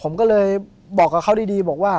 ผมก็ไม่เคยเห็นว่าคุณจะมาทำอะไรให้คุณหรือเปล่า